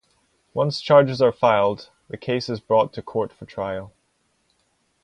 Once charges are filed, the case is brought to court for trial.